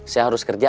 saya harus kerja